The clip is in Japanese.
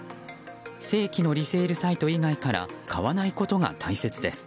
正規のリセールサイト以外から買わないことが大切です。